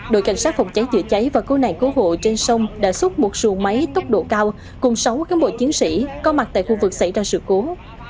đội cảnh sát phòng cháy chữa cháy và cứu nạn cứu hộ trên sông đã xúc một xuồng máy tốc độ cao cùng sáu cán bộ chiến sĩ có mặt tại khu vực xảy ra sự cố